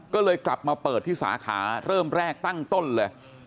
ก็เลยกลับมาเปิดที่สาขาเริ่มแรกตั้งต้นเลย